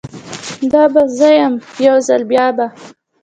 دا به زه یم، یوځل بیا به